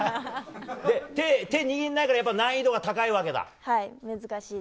手握らないから難易度が高いわけだ？